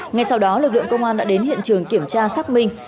ngay sau đó lực lượng công an đã đến hiện trường kiểm tra xác minh